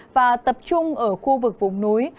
và tập trung ở khu vực vùng núi